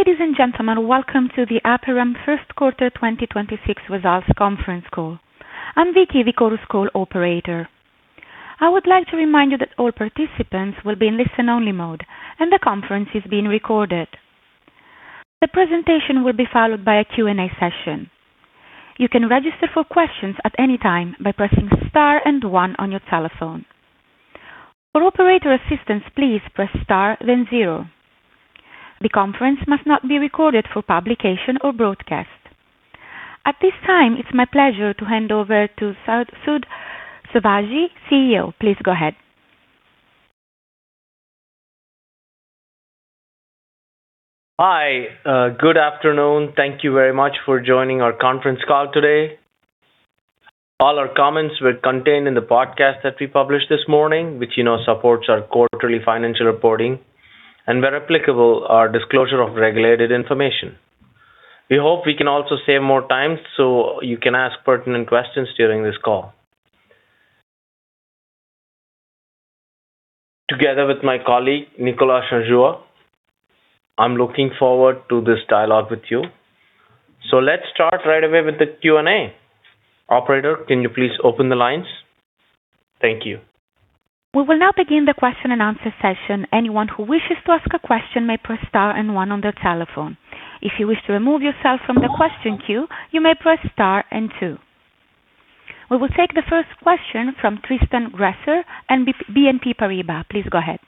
Ladies and gentlemen, welcome to the Aperam First Quarter 2026 Results conference call. I'm Vicky, the Chorus Call operator. I would like to remind you that all participants will be in listen-only mode, and the conference is being recorded. The presentation will be followed by a Q&A session. You can register for questions at any time by pressing star and one on your telephone. For operator assistance, please press star then zero. The conference must not be recorded for publication or broadcast. At this time, it's my pleasure to hand over to Sud Sivaji, CEO. Please go ahead. Hi. Good afternoon. Thank you very much for joining our conference call today. All our comments were contained in the podcast that we published this morning, which, you know, supports our quarterly financial reporting, and where applicable, our disclosure of regulated information. We hope we can also save more time, you can ask pertinent questions during this call. Together with my colleague, Nicolas Changeur, I'm looking forward to this dialogue with you. Let's start right away with the Q&A. Operator, can you please open the lines? Thank you. We will now begin the question and answer session. Anyone who wishes to ask a question may press star and one on their telephone. If you wish to remove yourself from the question queue, you may press star and two. We will take the first question from Tristan Gresser, BNP Paribas. Please go ahead.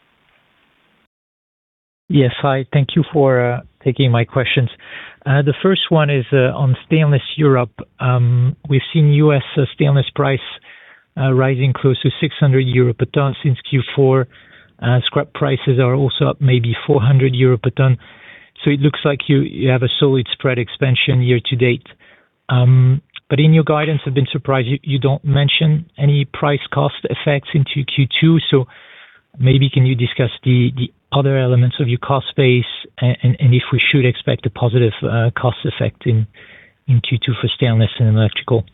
Yes. Hi. Thank you for taking my questions. The first one is on Stainless Europe. We've seen U.S. stainless price rising close to 600 euro per ton since Q4. Scrap prices are also up, maybe 400 euro per ton. It looks like you have a solid spread expansion year to date. In your guidance, I've been surprised you don't mention any price cost effects into Q2. Maybe can you discuss the other elements of your cost base and if we should expect a positive cost effect in Q2 for Stainless & Electrical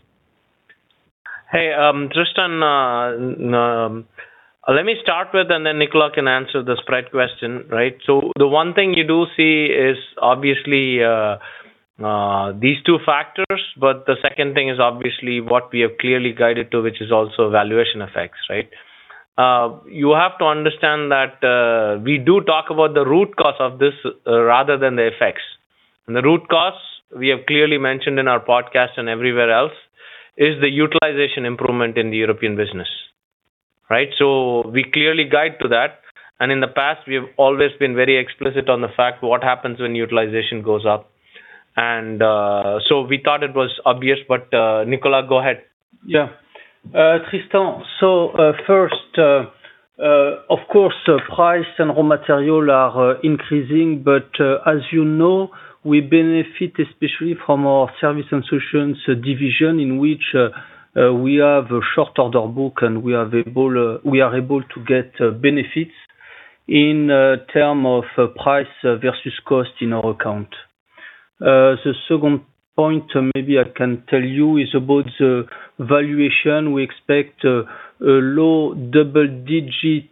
Steel? Hey, Tristan, let me start with, then Nicolas can answer the spread question, right? The one thing you do see is obviously these two factors, but the second thing is obviously what we have clearly guided to, which is also valuation effects, right? You have to understand that we do talk about the root cause of this, rather than the effects. The root cause, we have clearly mentioned in our podcast and everywhere else, is the utilization improvement in the European business, right? We clearly guide to that, and in the past, we have always been very explicit on the fact, what happens when utilization goes up. We thought it was obvious, but Nicolas, go ahead. Tristan, first, of course, price and raw material are increasing, as you know, we benefit especially from our Services & Solutions division, in which we have a short order book, and we are able to get benefits in terms of price versus cost in our account. The second point maybe I can tell you is about the valuation. We expect a low double-digit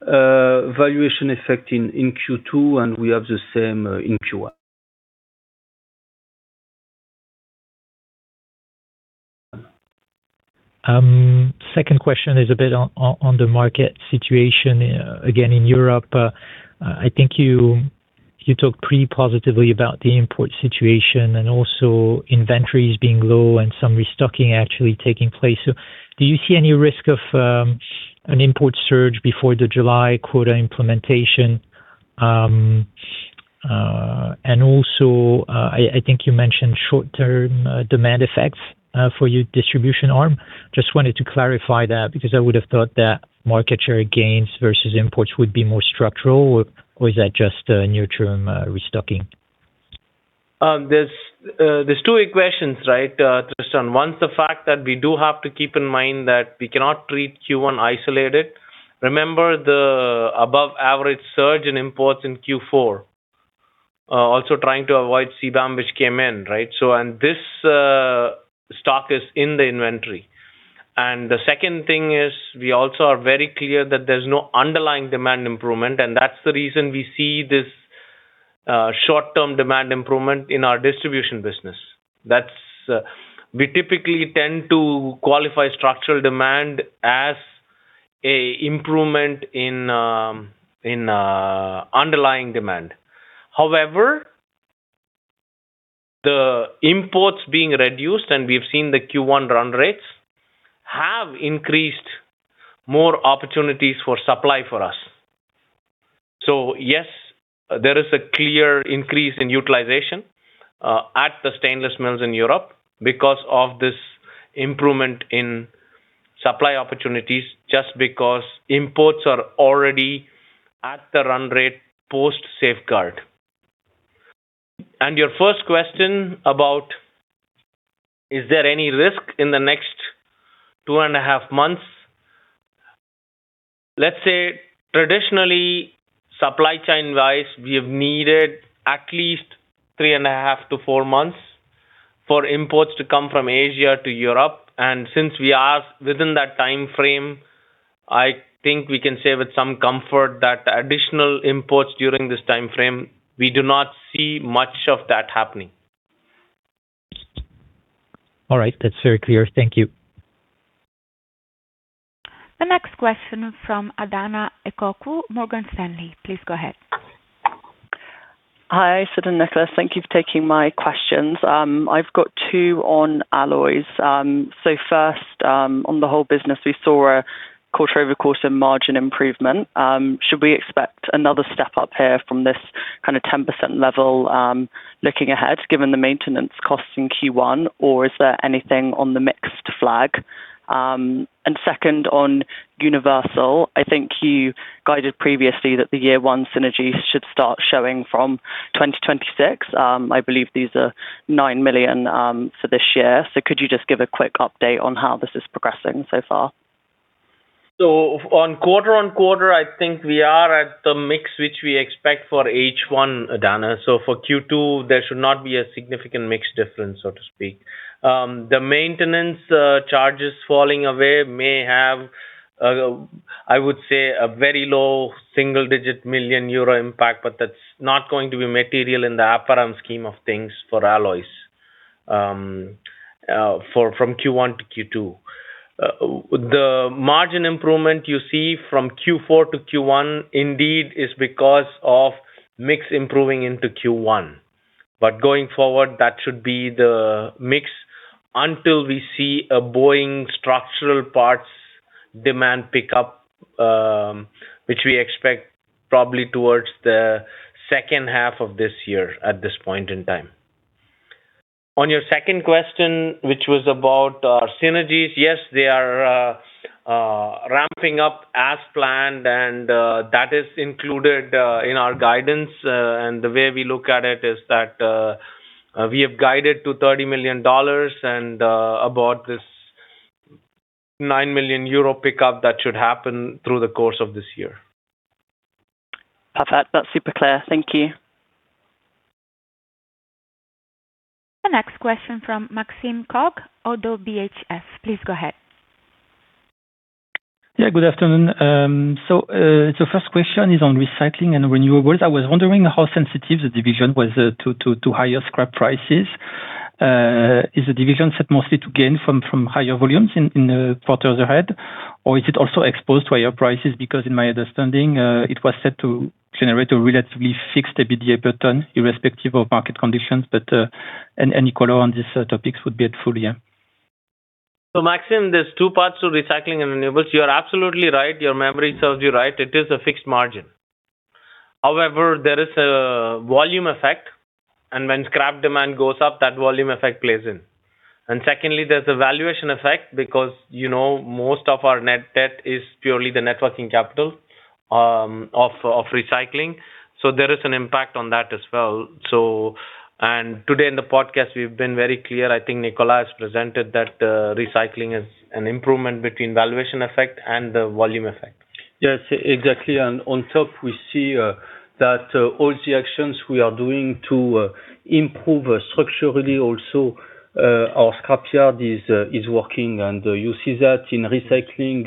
valuation effect in Q2, and we have the same in Q1. Second question is a bit on, on the market situation again, in Europe. I think you talked pretty positively about the import situation and also inventories being low and some restocking actually taking place. Do you see any risk of an import surge before the July quota implementation? I think you mentioned short-term demand effects for your distribution arm. Just wanted to clarify that because I would have thought that market share gains versus imports would be more structural, or was that just a near-term restocking? There are two equations, right, Tristan? One's the fact that we do have to keep in mind that we cannot treat Q1 isolated. Remember the above average surge in imports in Q4. Also trying to avoid CBAM which came in, right? This stock is in the inventory. The second thing is we also are very clear that there's no underlying demand improvement, and that's the reason we see this short-term demand improvement in our distribution business. That's, we typically tend to qualify structural demand as a improvement in underlying demand. However, the imports being reduced, and we've seen the Q1 run rates have increased more opportunities for supply for us. Yes, there is a clear increase in utilization, at the stainless mills in Europe because of this improvement in supply opportunities just because imports are already at the run rate post-safeguard. Your first question about, is there any risk in the next two and a half months? Let's say traditionally, supply chain-wise, we have needed at least three and a half to four months for imports to come from Asia to Europe. Since we are within that timeframe, I think we can say with some comfort that additional imports during this timeframe, we do not see much of that happening. All right. That's very clear. Thank you. The next question from Adahna Ekoku, Morgan Stanley. Please go ahead. Hi Sud and Nicolas. Thank you for taking my questions. I've got two on alloys. First, on the whole business, we saw a quarter-over-quarter margin improvement. Should we expect another step up here from this kind of 10% level, looking ahead, given the maintenance costs in Q1, or is there anything on the mixed flag? Second, on Universal, I think you guided previously that the year one synergy should start showing from 2026. I believe these are 9 million for this year. Could you just give a quick update on how this is progressing so far? On quarter-on-quarter, I think we are at the mix which we expect for H1, Adahna. For Q2, there should not be a significant mix difference, so to speak. The maintenance charges falling away may have, I would say, a very low single-digit million EUR impact, but that's not going to be material in the Aperam scheme of things for alloys from Q1 to Q2. The margin improvement you see from Q4 to Q1 indeed is because of mix improving into Q1. Going forward, that should be the mix until we see a Boeing structural parts demand pickup, which we expect probably towards the second half of this year at this point in time. On your second question, which was about our synergies, yes, they are ramping up as planned, and that is included in our guidance. The way we look at it is that we have guided to $30 million and about this 9 million euro pickup that should happen through the course of this year. Perfect. That's super clear. Thank you. The next question from Maxime Kogge, ODDO BHF. Please go ahead. Good afternoon. First question is on Recycling & Renewables. I was wondering how sensitive the division was to higher scrap prices. Is the division set mostly to gain from higher volumes in the quarters ahead? Is it also exposed to higher prices? In my understanding, it was set to generate a relatively fixed EBITDA per ton, irrespective of market conditions. Any color on these topics would be helpful. Maxime, there are two parts to Recycling & Renewables. You're absolutely right. Your memory serves you right. It is a fixed margin. However, there is a volume effect, and when scrap demand goes up, that volume effect plays in. Secondly, there's a valuation effect because, you know, most of our net debt is purely the networking capital of recycling. There is an impact on that as well. Today in the podcast, we've been very clear. I think Nicolas presented that recycling is an improvement between valuation effect and the volume effect. Yes, exactly. On top, we see that all the actions we are doing to improve structurally also our scrapyard is working. You see that in recycling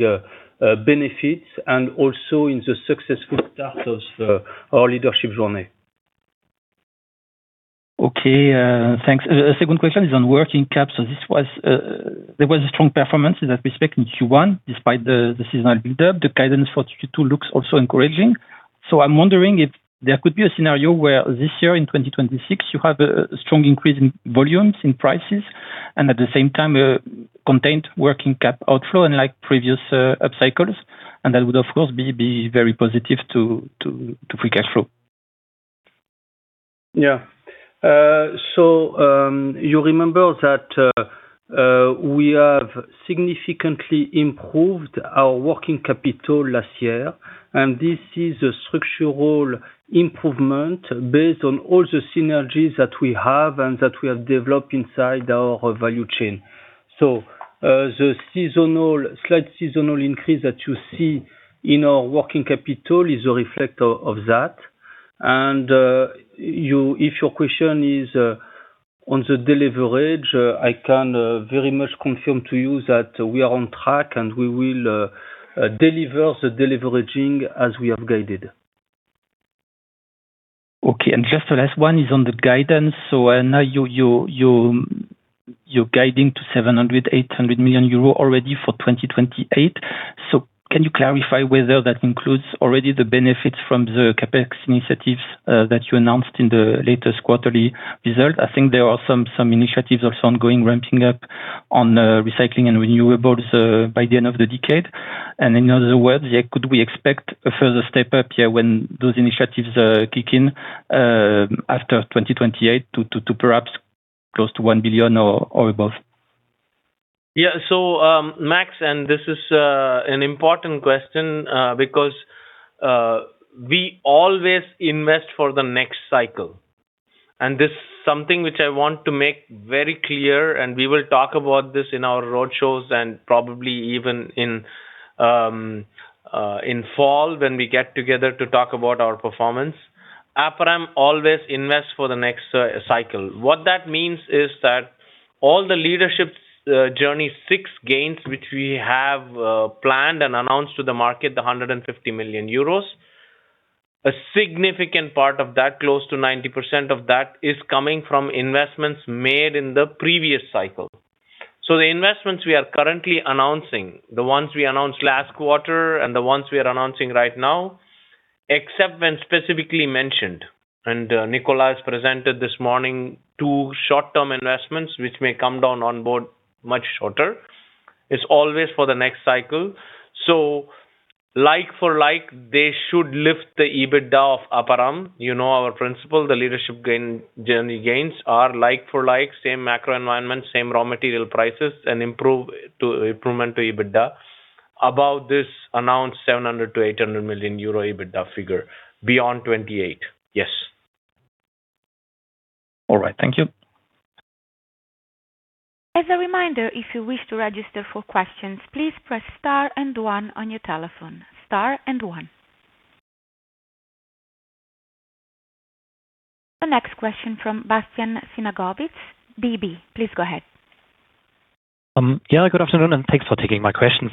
benefits and also in the successful start of our Leadership Journey. Okay. Thanks. Second question is on working capital. There was a strong performance in that respect in Q1, despite the seasonal build-up. The guidance for Q2 looks also encouraging. I'm wondering if there could be a scenario where this year in 2026, you have a strong increase in volumes, in prices, and at the same time, a contained working cap outflow unlike previous upcycles. That would, of course, be very positive to free cash flow. You remember that we have significantly improved our working capital last year. This is a structural improvement based on all the synergies that we have and that we have developed inside our value chain. The seasonal, slight seasonal increase that you see in our working capital is a reflection of that. If your question is on the delivery edge, I can very much confirm to you that we are on track, and we will deliver the delivery as we have guided. Okay. Just the last one is on the guidance. Now you're guiding to 700 million-800 million euro already for 2028. Can you clarify whether that includes already the benefits from the CapEx initiatives that you announced in the latest quarterly result? I think there are some initiatives also ongoing ramping up on Recycling & Renewables by the end of the decade. In other words, could we expect a further step up here when those initiatives kick in after 2028 to perhaps close to 1 billion or above? Max, this is an important question, because we always invest for the next cycle. This is something which I want to make very clear, and we will talk about this in our roadshows and probably even in fall when we get together to talk about our performance. Aperam always invest for the next cycle. What that means is that all the Leadership Journey Phase 6: Gains, which we have planned and announced to the market, the 150 million euros. A significant part of that, close to 90% of that, is coming from investments made in the previous cycle. The investments we are currently announcing, the ones we announced last quarter and the ones we are announcing right now, except when specifically mentioned, and Nicolas presented this morning two short-term investments which may come down on board much shorter. It's always for the next cycle. Like for like, they should lift the EBITDA of Aperam. You know our principle, the Leadership Journey Gains are like for like, same macro environment, same raw material prices and improvement to EBITDA. About this announced 700 million-800 million euro EBITDA figure beyond 2028. Yes. All right. Thank you. As a reminder, if you wish to register for questions, please press star and one on your telephone. Star and one. The next question from Bastian Synagowitz, Deutsche Bank. Please go ahead. Yeah, good afternoon, and thanks for taking my question.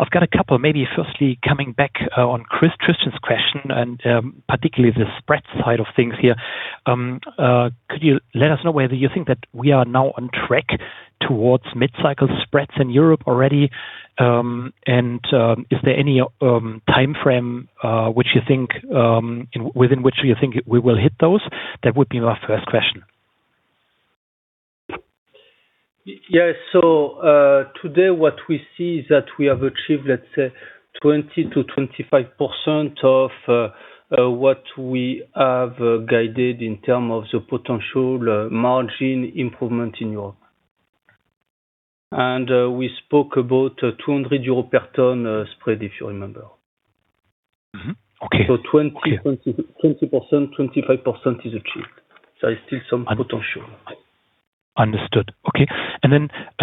I've got a couple, maybe firstly coming back on Tristan's question and particularly the spread side of things here. Could you let us know whether you think that we are now on track towards mid-cycle spreads in Europe already? And is there any timeframe which you think within which you think we will hit those? That would be my first question. Yes. Today what we see is that we have achieved, let's say, 20% to 25% of what we have guided in term of the potential margin improvement in Europe. We spoke about 200 euro per ton spread, if you remember? Okay. 20%, 25% is achieved. There is still some potential. Understood. Okay.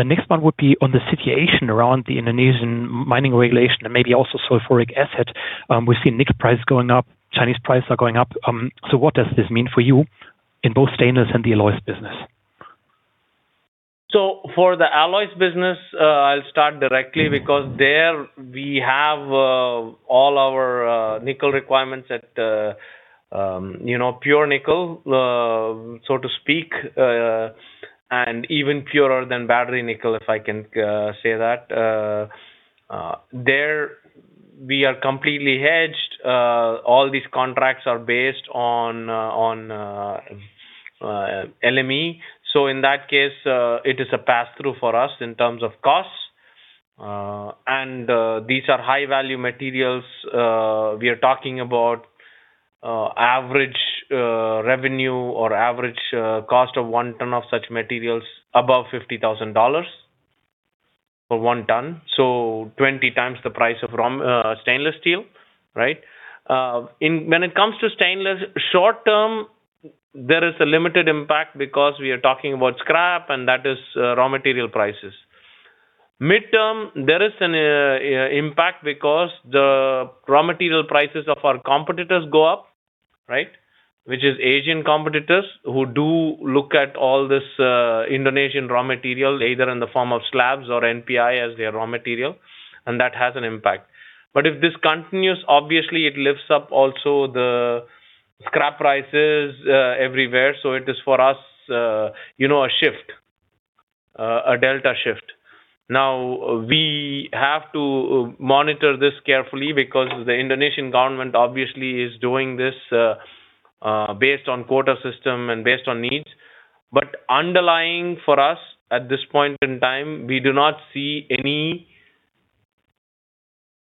Next one would be on the situation around the Indonesian mining regulation and maybe also sulfuric acid. We've seen nickel prices going up, Chinese prices are going up. What does this mean for you in both stainless and the alloys business? For the alloys business, I'll start directly because there we have all our nickel requirements at, you know, pure nickel, so to speak, and even purer than battery nickel, if I can say that. There we are completely hedged. All these contracts are based on LME. In that case, it is a passthrough for us in terms of costs. These are high value materials. We are talking about average revenue or average cost of 1 ton of such materials above $50,000 for 1 ton. 20x the price of stainless steel, right? When it comes to stainless, short term, there is a limited impact because we are talking about scrap, and that is raw material prices. Midterm, there is an impact because the raw material prices of our competitors go up, right? Which is Asian competitors who do look at all this Indonesian raw material, either in the form of slabs or NPI as their raw material, and that has an impact. If this continues, obviously it lifts up also the scrap prices everywhere. It is for us, you know, a shift, a delta shift. We have to monitor this carefully because the Indonesian government obviously is doing this based on quota system and based on needs. Underlying for us at this point in time, we do not see any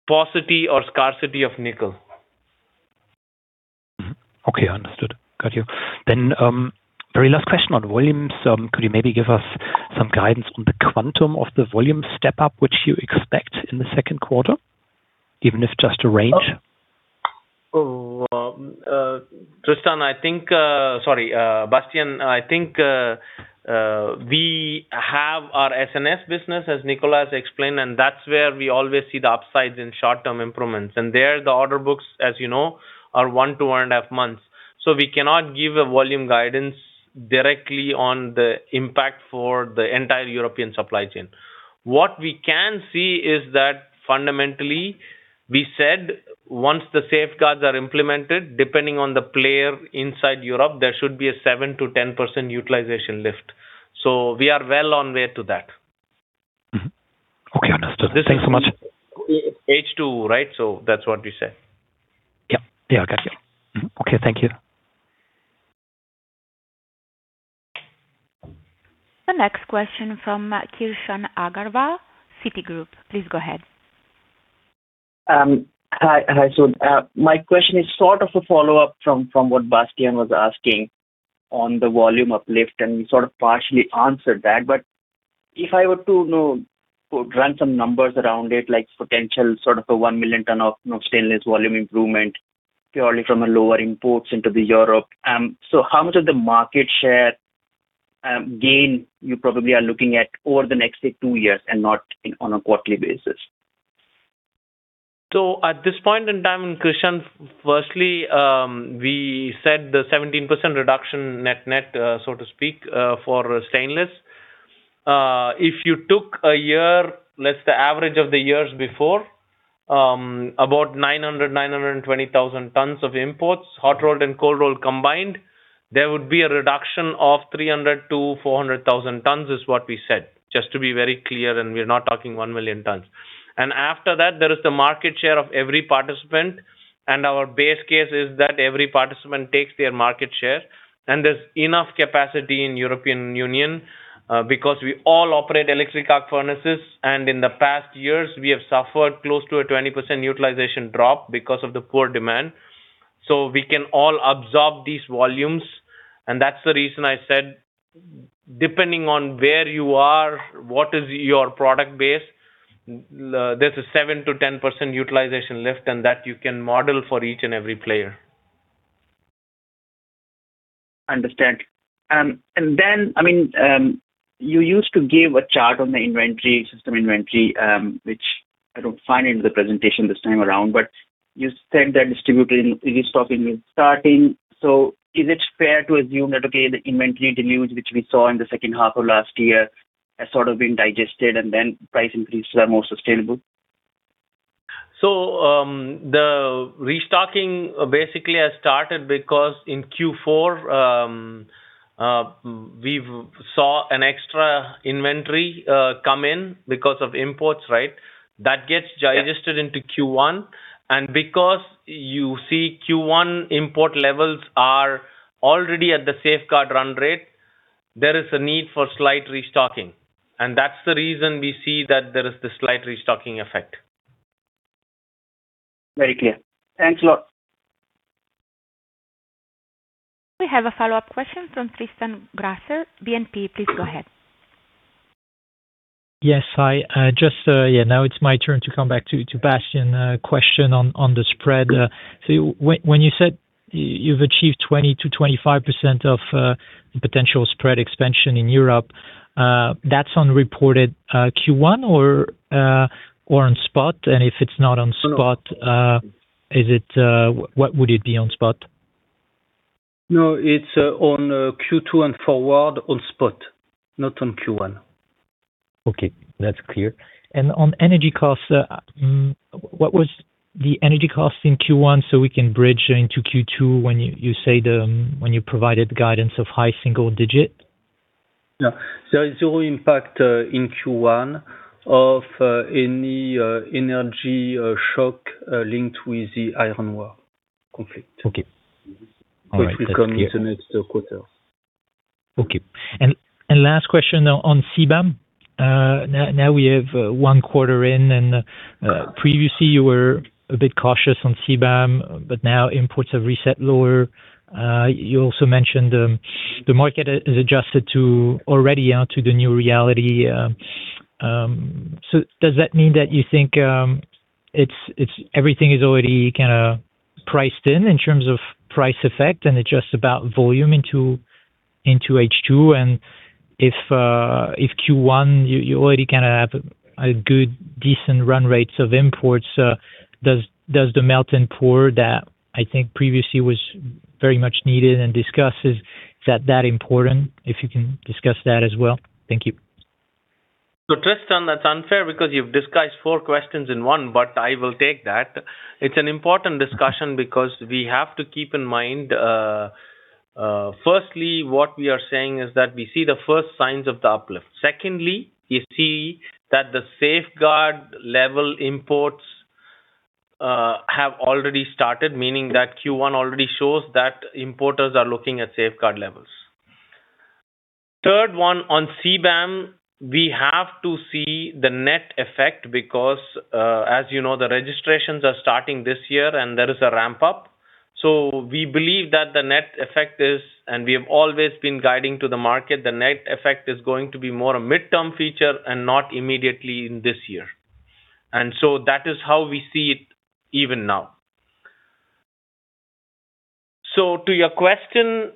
paucity or scarcity of nickel. Okay. Understood. Got you. Very last question on volumes. Could you maybe give us some guidance on the quantum of the volume step up which you expect in the second quarter, even if just a range? Tristan, I think. Sorry, Bastian, I think, we have our SNS business, as Nicolas explained, and that is where we always see the upsides in short-term improvements. There, the order books, as you know, are 1 to 1.5 months. We cannot give a volume guidance directly on the impact for the entire European supply chain. What we can see is that fundamentally, we said once the safeguards are implemented, depending on the player inside Europe, there should be a 7%-10% utilization lift. We are well on way to that. Mm-hmm. Okay. Understood. Thank you so much. This is H2, right? That's what we said. Yeah. Yeah, got you. Mm-hmm. Okay. Thank you. The next question from Krishan Agarwal, Citigroup. Please go ahead. Hi. Hi, Sud. My question is sort of a follow-up from what Bastian was asking on the volume uplift, and you sort of partially answered that. If I were to, you know, run some numbers around it, like potential sort of a 1 million ton of, you know, stainless volume improvement purely from a lower imports into Europe. How much of the market share gain, you probably are looking at over the next, say, two years and not on a quarterly basis. At this point in time, Krishan, firstly, we said the 17% reduction net, so to speak, for stainless. If you took a year, let's the average of the years before, about 900,000-920,000 tons of imports, hot rolled and cold rolled combined, there would be a reduction of 300,000-400,000 tons, is what we said. Just to be very clear, we're not talking 1 million tons. After that, there is the market share of every participant, and our base case is that every participant takes their market share. There's enough capacity in European Union, because we all operate electric arc furnaces, and in the past years, we have suffered close to a 20% utilization drop because of the poor demand. We can all absorb these volumes, and that's the reason I said, depending on where you are, what is your product base, there's a 7%-10% utilization lift, and that you can model for each and every player. Understand. I mean, you used to give a chart on the inventory, system inventory, which I don't find in the presentation this time around. You said that distributor restocking is starting. Is it fair to assume that, okay, the inventory deluge which we saw in the second half of last year has sort of been digested and then price increases are more sustainable? The restocking basically has started because in Q4, we've saw an extra inventory come in because of imports, right? Because you see Q1 import levels are already at the safeguard run rate, there is a need for slight restocking, and that's the reason we see that there is this slight restocking effect. Very clear. Thanks a lot. We have a follow-up question from Tristan Gresser, BNP. Please go ahead. Yes, hi. Just, yeah, now it's my turn to come back to Bastian. A question on the spread. When you said you've achieved 20%-25% of potential spread expansion in Europe, that's on reported Q1 or on spot? If it's not on spot, is it, what would it be on spot? No, it's on Q2 and forward on spot, not on Q1. Okay, that's clear. On energy costs, what was the energy cost in Q1, so we can bridge into Q2 when you provided guidance of high single-digit? No. There is zero impact in Q1 of any energy shock linked with the Iran War conflict. Okay. All right. That's clear. Which will come into next quarter. Okay. Last question now on CBAM. Now we have one quarter in, and previously you were a bit cautious on CBAM, but now imports have reset lower. You also mentioned the market is adjusted to already now to the new reality. Does that mean that you think it's everything is already kinda priced in terms of price effect, and it's just about volume into H2? If Q1, you already kinda have a good decent run rates of imports, does the melt and pour that I think previously was very much needed and discussed, is that that important? If you can discuss that as well. Thank you. Tristan, that's unfair because you've discussed four questions in one, but I will take that. It's an important discussion because we have to keep in mind, firstly, what we are saying is that we see the first signs of the uplift. Secondly, we see that the safeguard level imports have already started, meaning that Q1 already shows that importers are looking at safeguard levels. Third one, on CBAM, we have to see the net effect because, as you know, the registrations are starting this year, and there is a ramp up. We believe that the net effect is, and we have always been guiding to the market, the net effect is going to be more a midterm feature and not immediately in this year. That is how we see it even now. To your question,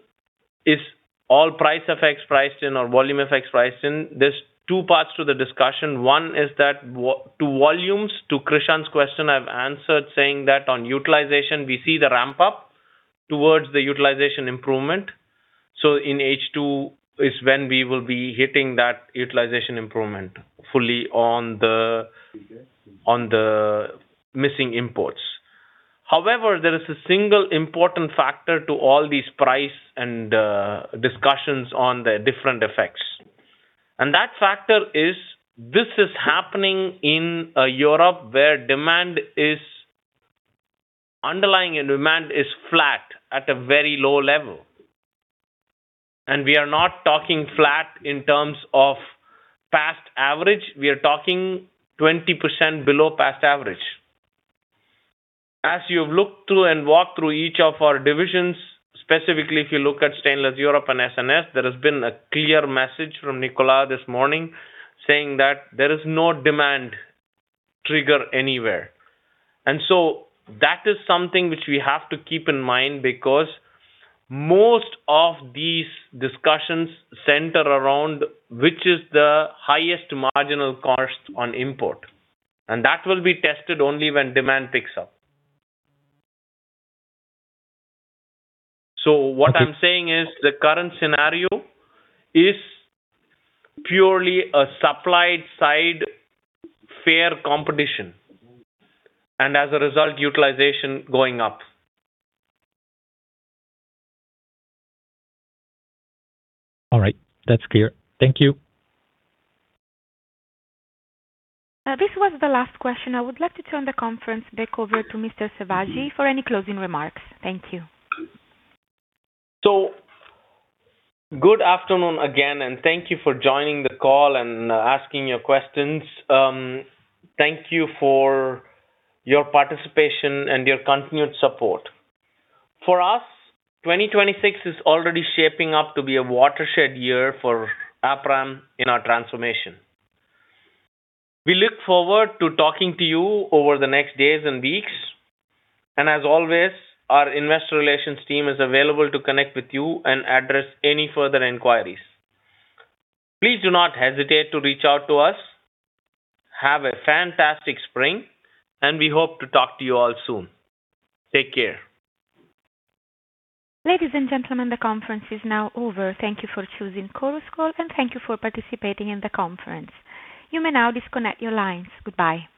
is all price effects priced in or volume effects priced in? There are two parts to the discussion. One is that to volumes, to Krishan's question, I've answered saying that on utilization we see the ramp up towards the utilization improvement. In H2 is when we will be hitting that utilization improvement fully on the missing imports. However, there is a single important factor to all these price and discussions on the different effects. That factor is this is happening in Europe where underlying demand is flat at a very low level. We are not talking flat in terms of past average. We are talking 20% below past average. As you've looked through and walked through each of our divisions, specifically if you look at Stainless Europe and SNS, there has been a clear message from Nicolas this morning saying that there is no demand trigger anywhere. That is something which we have to keep in mind because most of these discussions center around which is the highest marginal cost on import, and that will be tested only when demand picks up. Okay. What I'm saying is the current scenario is purely a supply side fair competition, and as a result, utilization going up. All right. That is clear. Thank you. This was the last question. I would like to turn the conference back over to Mr. Sivaji for any closing remarks. Thank you. Good afternoon again, and thank you for joining the call and asking your questions. Thank you for your participation and your continued support. For us, 2026 is already shaping up to be a watershed year for Aperam in our transformation. We look forward to talking to you over the next days and weeks, and as always, our investor relations team is available to connect with you and address any further inquiries. Please do not hesitate to reach out to us. Have a fantastic spring, and we hope to talk to you all soon. Take care. Ladies and gentlemen, the conference is now over. Thank you for choosing Chorus Call, and thank you for participating in the conference. You may now disconnect your lines. Goodbye.